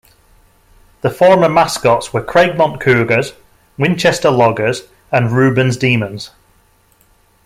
The former mascots were Craigmont Cougars, Winchester Loggers, and Reubens Demons.